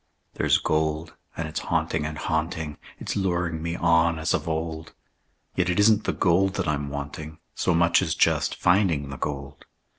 There's gold, and it's haunting and haunting; It's luring me on as of old; Yet it isn't the gold that I'm wanting So much as just finding the gold.